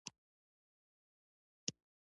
درناوی د فرد د شخصیت قوی کولو کې مرسته کوي.